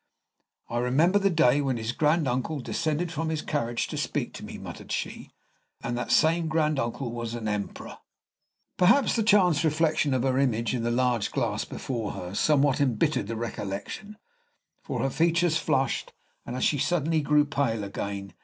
"I remember the day when his grand uncle descended from his carriage to speak to me," muttered she; "and that same grand uncle was an emperor." Perhaps the chance reflection of her image in the large glass before her somewhat embittered the recollection, for her features flushed, and as suddenly grew pale again.